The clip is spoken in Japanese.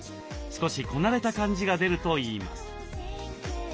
少しこなれた感じが出るといいます。